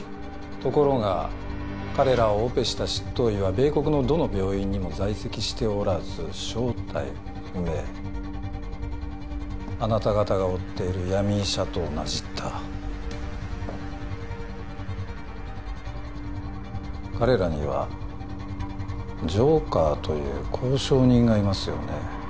ところが彼らをオペした執刀医は米国のどの病院にも在籍しておらず正体不明あなた方が追っている闇医者と同じだ彼らにはジョーカーという交渉人がいますよね？